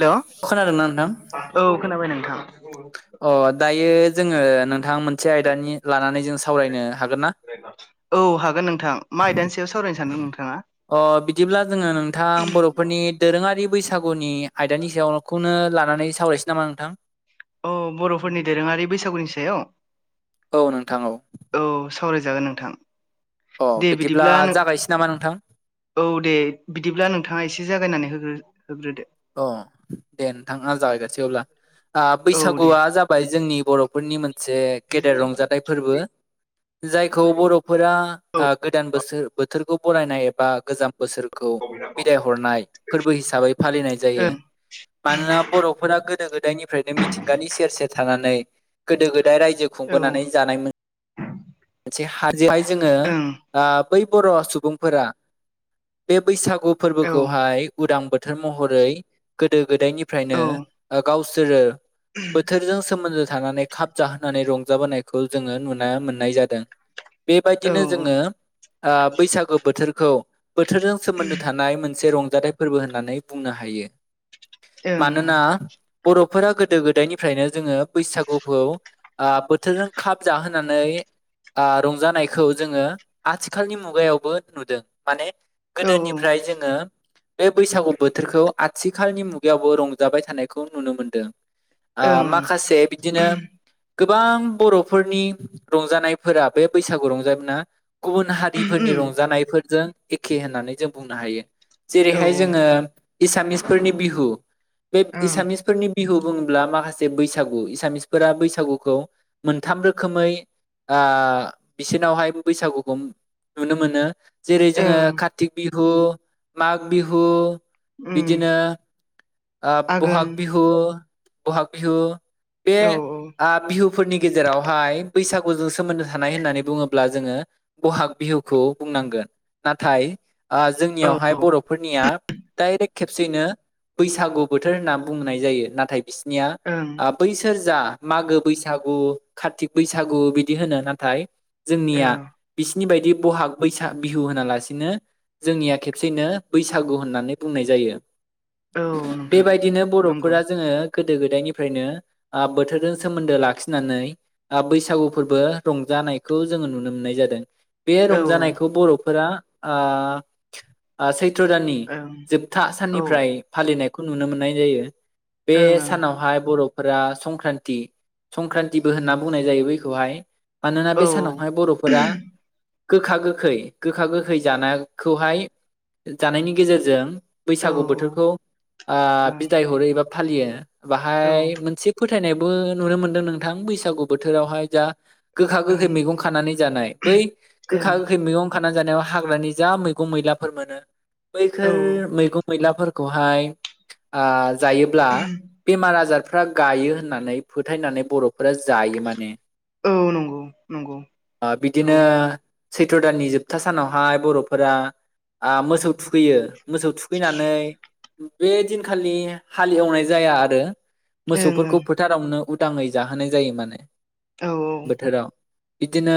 Hello खोनादोंना नोंथां औ खोनाबाय नों अ दायो जोंङो नोंथां मोनसे आयदानि लानानै जों सावरायनो हागोन ना? औ हागोन नोंथां मा आइदानसेयाव सावरायनो सानद अ बिदिब्ला जोंङो नोंथां बर'फोरनि दोरोङारि बैसागुनि आयदानि सायावखौनो लानानै सावरायसै नामा नोंथां? औ बर'फोरनि दोरोङारि बैसागुनि सायाव औ नोंथां औ औ सावरायजागोन नोंथां अ दे बिदिब्ला नों जागायसै नामा नोंथां औ दे बिदिब्ला नों नोंथाङा एसे जागायनानैरो होग्रोदो अ दे नोंथां जागैगोनसै अब्ला औ दे बैसागुआ जाबाय जोंनि बर'फोरनि मोनसे गेदेर रंजाथाइ फोरबो जायखौ बर'फोरा औ ओ गोदान बोसोर बोथोर बरायनाय एबा गोजाम बोसोरखौ बिदाय हरनाय फोरबो हिसाबै फालिनाय ओं मानोना बर'फोरा गोदो गोदायनिफ्रायनो मिथिंगानि सेर सेर थ गोदो गोद रायजो औ खुंबोनानै जानाय मोनसे हाजोआवहाय जोंङो ओं बै बर' सुबुंफोरा बे बैसागु औ फोरबोखौहाय उदांबो बोथोर महरै गोदो गोदायनिफ्रायनो गावसोरो बोथारजों समोमदो थानानै खाब जाहोनानै रंजाबोनायखौ जोंङो नुनो मोननाय जादों। औ बेबायदिनो ओं जोंङो आ बैसागो बोथोरखौ बोथोरजों सोमोन्दो थानाय मोनसे रंजाथाइ फोरबो होननानै बुंनो हायो। औ मानोना बर फोरा गोदो गोदायनिफ्रायनो जोङो बैसागुखौ बोथोरजों खाब जाहोनानै रंजानायखौ जोंङो आथिखालनि मुगायावबो नुदों माने ओं गोदोनिफ्राय जोंङो बे बैसागु बोथोरखौ आथिखालनि मुगायावबो रंजाबाय थानायखौ नुनो मोनदों। आ ओं माखासे बिदिनो गोबां बर'फोरनि रंजानायफोरा बे बैसागु रंजामोना गुबुन हारिफोरनि रंजानायफोरजों एखे होननानै जों बुंनो हायो। औ जेरैहाय जोंङो एसामिसफोरनि बिहु बे ओं एसामिसफोरनि बिहु बुङोब्ला माखासे बैसागु एसामिसफोरा बैसागुखौ मोनथाम रोखोमै बिसनावहाय बैसागुखौ नुनो मोनो। जेरै जोंङो ओं कारतिक बिहु मघ बिहु उम बिदिनो आघोन बहाग बिहु बहाग बिहु बे औ बिहुफोरनि गेजेरावहाय बैसागुजों सोमोन्दो थानाय होननानै बुङोब्ला जोङो बहाग बिहुखौ बुंनांगोन नाथाय ओ औ जोंनियावहाय बर'फोरनिया डाइरेक्ट खेबसेनो बैसागु बोथोर होनना बुंनाय जायो नाथाय बि निया ओं बैसोर जा मागो बैसागु कारतिक बैसागु बिदि होनो नाथाय औ जोंनिया बिसिनि बायदि बाग बै बिहु होनालासेनो जोंनिया खेबसेनो बैसागु होननानै बुंनाय जायो। जायो औ नोंथां बेबायदिनो नंगौ बर'फोरा जोङो गोदो गोदायनिफ्रायनो आ बोथोरजों सोमोन्दो लाखिनानै आ बैसागु फोरबो रंजा जानायखौ जोङो नुनो मोननाय जादों। बे औ ओं रंजानायखौ बर'फोरा आ आ सैथ्र' दाननि जोबथा औ साननिफ्राय फालिनायखौ नुनो मोननाय जायो बे ओं सानावहाय बर' फोरा संख्रान्ति संक्रान्तिबो होनना बुंनाय जायो बैखौहाय मानोना बे ओं सानावहाय बर'फोरा गोखा गोखै गोखा गोखै जानायखौहाय जानायनि गेजेरजों औ बैसागु ओं बोथोरखौ आ बिदाय हरो एबा फालियो औ बाहाय मोनसे फोथ थायनायबो नुनो मोनदों नोंथां बैसागु बोथोरावहाय जा गोखा गोखै मैगं खानानै जानाय बै गोखा ओं ओं गोखै मैगं खाना जानायाव हाग्रानि जा मैगं मैलाफोर मोनो औ बैफोर मैगं मैलाफोरखौहाय आ जायोब्ला बेमार आजार फ्रा गायो होननानै फोथायनानै बर'फोरा जायो माने औ नंगौ नंगौ आ औ बिदिनो ओं सैथ्र' दाननि जोबथा सानावहाय बर'फोरा आ मोसौ थुखैयो मोसौ फैनानै बे दिनखालि हालि एवनाय जाया आरो मोसौफोरखौ ओं फोथारावनो उदाङै जाहोनाय जायो माने औ औ बोथोराव बिदिनो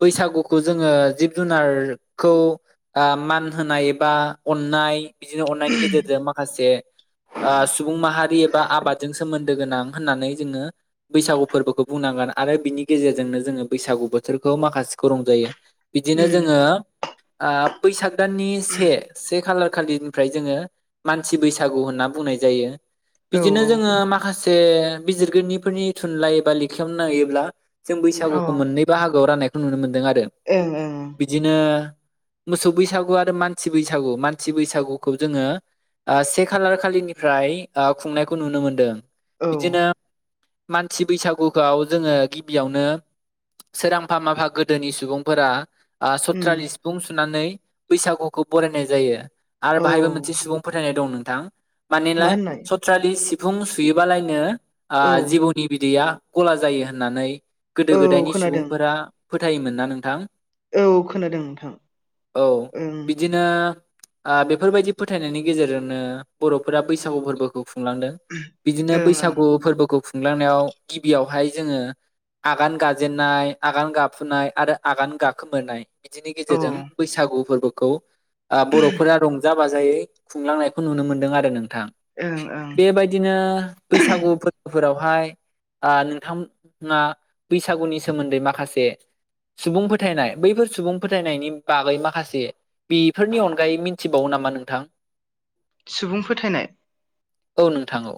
बैसागुखौ जोङो जिब जुनारखौ आ मान होनाय बा अन्नाय बिदिनो अन्नायनि गेजेरजों माखासे आ सुबुं माहारि एबा आबादजों सोमोन दोगोनां होननानै जोङो बैसागु फोरबोखौ बुंनांगोन आरो बिनि गेजेरजोंनो जोङो बैसागु बोथोरखौ माखासेखौ रंजायो बिदिनो उम जोङो आ बैसाग दाननि से से खालार खालिनिफ्राय जोङो मानसि बैसागु होनना बुंनाय जायो। औ बिदिनो जोङो माखासे बिजिगिरिफोरनि थुनलाइ एबा लेखायावनो नायोब्ला जों औ बैसागुखौ ओं मोननै बाहागोआव राननायखौ नुनो मोनदों आरो बिदिनो मोसौ बैसागु आरो मानसि बैसागु मानसि बैसागुखौ जोङो ओ से खालार खालिनिफ्राय ओ खुंनायखौ नुनो मोनदों। ओं औ बिदिनो मानसि बैसागुखौ जोङो गिबियावनो सोरांफा माफा गोदोनि सुबुंफोरा ओ उम सथ्रालि सिफुं सुनानै बैसागुखौ जों बयबो ऊएूबरायनाय जायो आरो औ बाहायबो मोनसे सुबुं फोथायनाय दं नोंथां मानेला मा होननाय सथ्रालि सिफुं सुयोबालायनो आ औ जिबौनि बिदैया गोदो औ गोदायनि खोनादों सुबुंफोरा फोथायोमोन ना नोंथां? औ खोनादों नोंथां औ ओं ओ बिदिनो आ बेफोरबायदि फोथायनायनि गेजेरजोंनो बर'फोरा बैसागु फोरबोखौ खु खुंलांदों बिदिनो ओं ओं बैसागु फोरबोखौ खुंलांनायाव गिबियावहाय जोङो आगान गाजेननाय आगान गाफुनाय आरो आगान गाखोमोरनाय बिदिनि औ गेजेरजों बैसागु फोरबोखौ आ बर'फोरा रंजा बाजायै खुंलांनायखौ नुनो मोनदों आरो नों थां ओं ओं बेबायदिनो बैसागु फोरबोफोराव बहाय आ नोंथा आ बैसागुनि सोमोन्दै माखासे सुबुं फोथायनाय बैफोर सुबुं फोथायनायनि बागै माखासे बेफोरनि अनगायै मिन्थिबावो नामा नोंथां सुबुं फोथायनाय औ नोंथां औ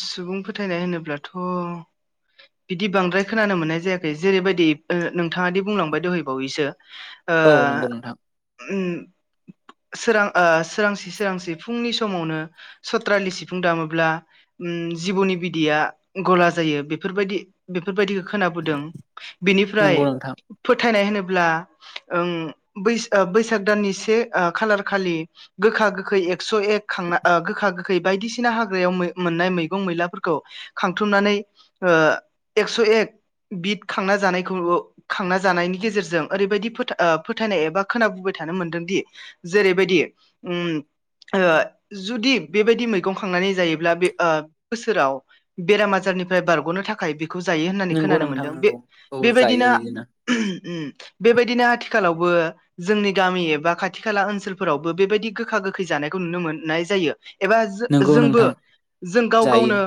सुबुं फोथायनाय होनोब्लाथ' बिदि बांद्राय खोनानो मोननाय जायाखै जेरैबायदि ओ नोंथाङादि बुंलांबाय दहैबावैसो ओह औ नंगौ नोंथां उम [inaudible] सोरां ओ सोरांसि सोरांसि फुंनि समावनो सथ्रालि सिफुं दामोब्ला उम जिबौनि बिदैया गला जायो बेफोरबायदि बेफोरबायदिखौ खोनाबुदों बेनिफ्राय नंगौ नोंथां फोथायनाय होनोबा ब्ला ओं बैसाग दाननि से खालार खालि गोखा गोखै एकस एक खांना ओ गोखा गोखै बायदिसिना हाग्रायाव मै मोननाय मैगं मैलाफोरखौ खांथुमनानै ओ एक्स एक बिद खांना जानायखौ खांना जानायनि गेजेरजों ओरैबायदि फोथायनाय एबा खोनाबोबाय थानो मोनदोंदि जेरैबायदि उम ओ जुदि बेबायदि मैगं खांनानै जायोब्ला बे ओ बोसोराव बेराम आजारनिफ्राय बारगनो थाखाय बेखौ खौ जायो होननानै नंगौ खोनानो नोंथां मोनदों बे नंगौ औ बेबायदि जायो बिदिनो उम बेबायदिनो आथिखालावबो जोंनि गामि एबा खाथि खाला ओनसोलफोरावबो बेबायदि गोखा गोखै जानायखौ नुनो मोननाय जायो। एबा नंगौ जोंबो नोंथां जों गाव जायो गावनो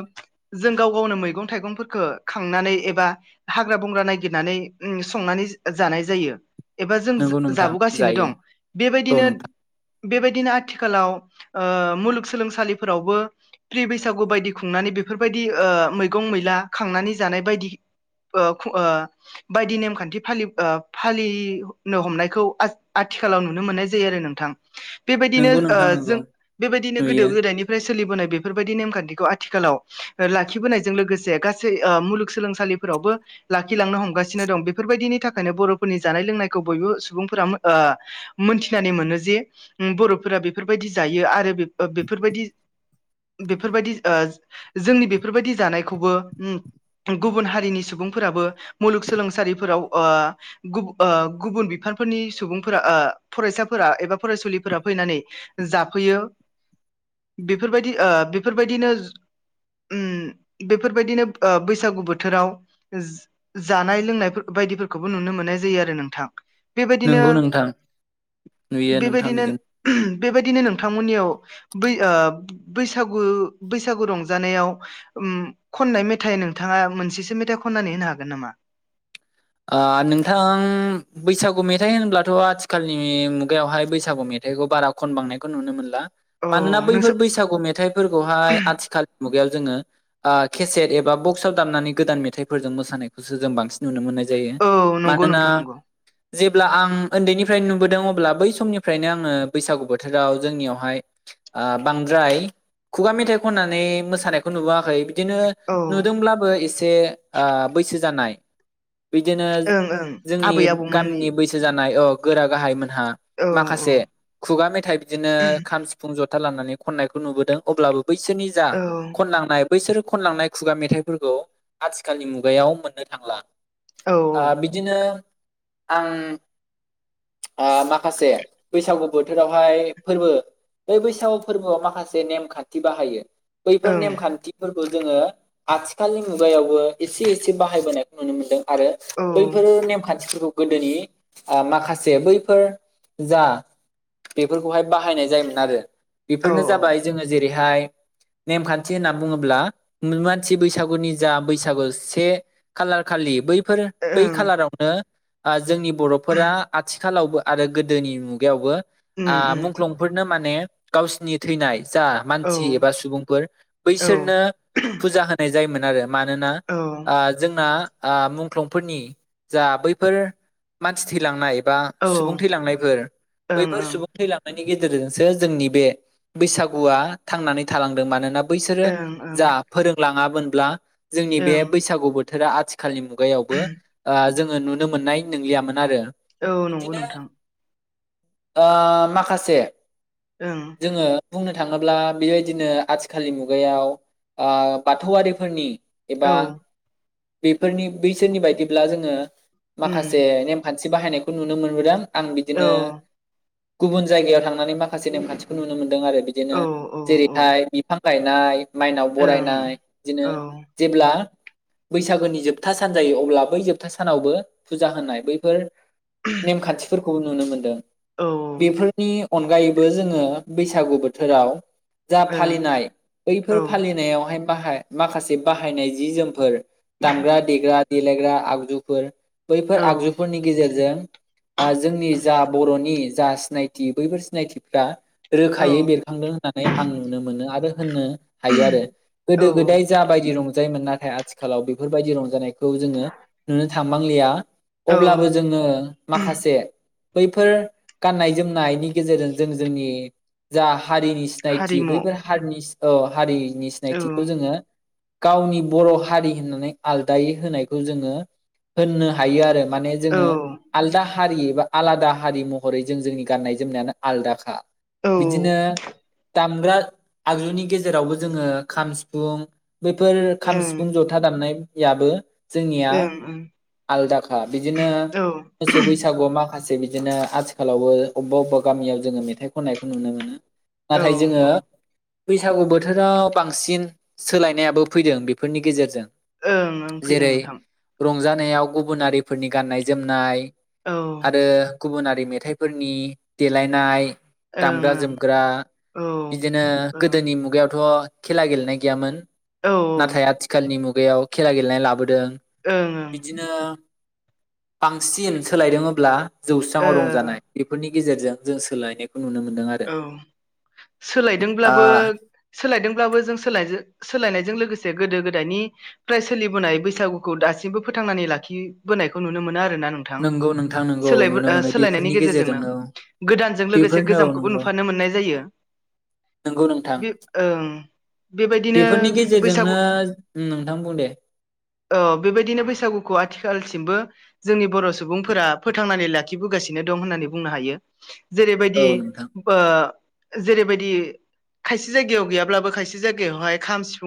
जों गाव गावनो मैगं थाइगंफोरखो खांनानै एबा हाग्रा बंग्रा ननायागिरनानै उम माने‌ संनानै जानाय जायो एबा जों नंगौ नोंथां जाबोगासिनो दं जायो औ बेबायदिनो नोंथां बेबायदिनो आथिखालाव ओ मुलुगसोलोंसालिफोरावबो प्रि बैसागु बायदि खुंनानै बेफोरबायदि ऐ मैगं मैला खांनानै जानाय बायदि ओ खु ओ बायदि नेमखान्थि फालिब ओ फालिनो हमनायखौ आथि आथिखालाव नुनो मोननाय जायो आरो नोंथां बेबायदिनो नंगौ ओ नोंथां नंगौ जों बेबायदिनो गोदो नुयो गोदायनिफ्राय सोलिबोनाय बेफोर बेफोरबायदि नेमखान्थिखौ आथिखालाव लाखिबोनायजों लोगोसे गासै ओ मुलुगसोलोंसालिफोरावबो लाखिलांनो हमगासिनो दं बेफोरबायदिनि थाखायनो बरफोरनि जानाय लोंनायखौ बयबो सुबुंफोरा मो ओ मोनथिनानै मोनो जे उम बरफोरा बेफोरबायदि जायो आरो बेफोरबायदि [inaudible] बेफोरबायदि ओ जोंनि बेफोरबायदि जानायखौबो उम गुबुन हारिनि सुबुंफोराबो मुलुगसोलोंसालिफोराव ओ गुबुश गुबुन बिफां फोरनि सुबुंफोरा ओ फरायसाफोरा एबा फरायसुलिफोरा फैनानै जाफैयो। बेफोरबायदि ओ बेफोरबायदिनो उम बेफोरबायदिनो बैसागु बोथोराव जानाय लोंनाय बायदिफोरखौबो नुनो मोननाय जायो आरो नोंथां बेबायदिनो नंगौ नोंथां नुयो नोंथां बेबायदिनो बिदिनो बेबायदिनो नोंथांमोननियाव बै ओ बैस बैसागु बैसागु रंजानायाव खननाय मेथाइ नोंथाङा मोनसेसो मेथाइ खननानै नो हागोन नामा [inaudible] ओ नोंथां बैसागु मेथाइ होनब्लाथ आथिखालनि मुगायावहाय बैसागु मेथाइ मेथाइखौ बारा खनबांनायखौ नुनो मोनला औ मानोना बैफोर नोंसोर बैसागु मेथाइफोरखौहाय आथिखाल मुगायाव जोङो‌ आ केसेत एबा बक्स आव दामनानै गोदान मेथाइफोरजों मोसानायखौसो जों बांसिन नुनो मोननाय जायो। जायो औ नंगौ मानोना नोंथां नंगौ जेब अब्ला आं ओन्दैनिफ्रायनो नुबोदों अब्ला बै समनिफ्रायनो आङो बैसागु बोथोराव जोंनियावहाय आ बांद्राय खुगा मेथाइ खननानै मोसानायखौ नुबोआखै बिदिनो औ ओं नुदोंब्लाबो एसे ओ बैसो जानाय बिदिनो ओं जोंनि आबै आबौमोननि गामिनि बैसो जानाय अ गोरा गाहायमोन आ औ औ माखासे खुगा मेथाइ बिदिनो खाम सिफुं जथा था लानानै खनायखौ नुबोदों अब्लाबो बैसोरनि जा औ खननांनाय बैसोर खनलांनाय खुगा मेथाइफोरखौ आथिखालनि मुगायाव मोननो थांला औ आ बिदिनो आं माखासे बैसागु बोथोरावहाय फोरबो बै बैसागु फोरबोआव माखासे नेमखान्थि बाहायो बैफोर ओं नेमखान्थिफीरखौ जोङो आथिखालनि मुगायावबो एसे एसे बाहायबोनायखौ नुनो मोन्दों आरो औ बैफोर नेमखान्थिफोरखौ गोदोनि माखासे बैफोर जा बेफोरखौहाय बाहायनाय जायोमोन आरो औ बेफोरनो जाबाय जोङो जेरैहाय नेमखान्थि होनना बुङोब्ला मानसि बैसागुनि जा बैसागु से खालार खालि बै बेफोर बै ओं खालारावनो [inaudible] जोंनि बरफोरा आथिखालावबो आरो गोदोनि मुगायावबो उम उम मुंख्लंफोरनो माने गावसिनि थैनाय जा औ मानसि एबा सुबुंफोर औ बैसोरनो फुजा होनाय जायोमोन आरो मानोना औ ओं ओ जोंना ओ मख्लंफोरनि जा बैफोर मानसि थैलांनाय बा ओं सुबुं थैलांनायफोर ओं बैफोर सुबुं थैलांनायनि गेजेरजोंसो जोंनि बे बैसागुआ थांनानै थालांदों बैसोरो ओं जा फोरोंलाङामोनब्ला जोंनि बे ओं बैसागु बोथोरा आथिखालनि मु मुगायावबो जोङो नुनो मोननाय नंलियामोन आरो औ नंगौ बिदिनो नोंथां [inaudible] ओ माखासे ओं जोङो बुंनो थाङोब्ला बेबायदिनो आथिखालनि मुगायाव ओ बाथौआरिफोरनि एबा औ बेफोरनि बैसोरनि बायदिब्ला जोङो उम माखासे नेमखान्थि मसि बाहायनायखौ नुनो मोनबोदों आं औ बिदिनो गुबुन जायगायाव थांनानै माखासे नेमखान्थिखौ नुनो मोनदों आरो औ बिदिनो औ जेरैहाय बिफां गायनाय माइनाव ओं बरायनाय बिदिनो औ जेब्ला बैसागोनि जोबथ जोबथा सान जायो अब्ला बै जोबथा सानावबो फुजा होनाय बैफोर नेम खान्थिफोरखौ खौ नुनो मोनदों ओं बेफोरनि अनगायैबो जोङो बैसागु बोथोराव जा औ फालिनाय औ बैफोर फालिनायावहाय बाहाय माखासे बाहायनाय जि जोमफोर दामग्रा देग्रा देलायग्रा आगजुफोर बैफोर औ आगजुफोरनि गेजेरजों जोंनि जा बरनि जा सिनायथि बैफोर सिनायथिफ्रा औ रोखायै बेरखांदों होननानै आं नुनो मोनो आरो होननो हायो आरो औ गोदो गोदाय जाबायदि रंजायोमोन नाथाय आथिखालाव बेफोरबायदि रंजानायखौ खौ जोङो नुनो थांनांलिया औ अब्लाबो जोङो माखासे बैफोर गाननाय जोमनायनि गेजेरजों जों जोंनि जा हारिनि सिनायथि हारिमु बैफोर हारिनि औ हारिनि औ सिनायथिखौ जोङो गावनि बर हारि होननानै आलदायै होनायखौ जोङो होननो हायो आरो माने जोङो ओं आलदा हारि एबा आलादा हारि महरै जों जोंनि गाननाय जोमनायानो आलादाखा बिदिनो ओं दामग्रा आगजुनि गेजेरावबो जोङो खाम सिफुं बैफोर खाम ओं सिफुं जथा दामनायाबो जोंनिया औ आलदाखा बिदिनो औ मोसौ बैसागु मा माखासे बिदिनो आथिखालावबो अबेबा अबेबा गामियाव जोङो मेथाइ खननायखौ नुनो मोनो नाथाय ओं जोङो बैसागु बोथोराव बांसिन सोलायनायाबो फैदों बेफोरनि गेजेरजों ओं फैदों जेरै नोंथां रंजानायाव गुबुनारिफोरनि गाननाय जोमनाय औ ओं आरो गुबुनारि मेथाइफोरनि देलायनाय दामग्रा ओं जोमग्रा औ ओं बिदिनो औ गोदोनि मुगायावथ खेला गेलेनाय गैयामोन ओं नाथाय आथिखालनि मुगायाव खेला गेलेनाय लाबोदों ओं बिदिनो बांसिन सोलायदों ओब्ला जौस्रांव रंजानाय बेफोरनि गेजेरजों जों सोलायनायखौ नुनो मोनदों आरो औ आ सोलायदोंब्लाबो सोलायदोंब्लाबो जों सोलायजो सोलायनायजों लोगोसे गोदो गोदायनिफ्राय सोलिबोनाय बैसागुखौ दासिमबो फोथांनानै लाखिबोनो खौ नुनो मोन आरो नोंथ नंगौ नोंथां नंगौ नुनो मोनो सोलायनायनि बेफोरनि गेजेरजोंनो गोदानजों लोगोसे बेफोरनो औ गोजखौ नंगौ नुफानो मोननाय जायो नंगौ नोंथां बे ओं बेबायदिनो बेफोरनि बैसागु गेजेरजोंनो नोंथां बुं दे बेबायदिनो बैसागुखौ आथिखालसिमबो जोंनि बर' सुबुंफोरा फोथांनानै लाखिबोगासिनो दं होननानै बुंनो हायो औ जेरैबायदि नोंथां ओ जेरैबायदि खयसे जायगायाव गैयाब्लाबो खायसे जायगायाव खाम सिफुं